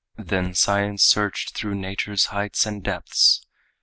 Then science searched through nature's heights and depths.